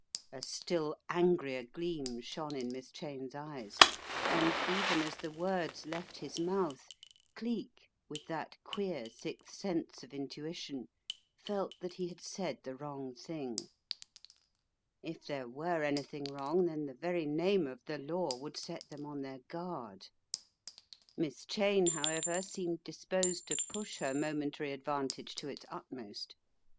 A still angrier gleam shone in Miss Cheyne's eyes, and even as the words left his mouth, Cleek, with that queer sixth sense of intution, felt that he had said the wrong thing. If there were anything wrong, then the very name of the law would set them on their guard. Miss Cheyne, however, seemed disposed to push her momentary advantage to its utmost.